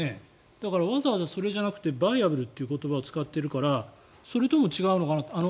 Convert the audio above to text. だから、わざわざそれじゃなくてバイアブルという言葉を使っているからそれとも違うのかなと。